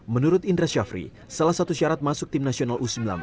menurut indra syafri salah satu syarat masuk tim nasional u sembilan belas